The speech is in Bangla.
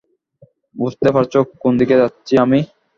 বুঝতে পারছো কোনদিকে যাচ্ছি আমি?